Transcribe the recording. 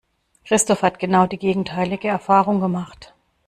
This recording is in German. Christoph hat genau die gegenteilige Erfahrung gemacht.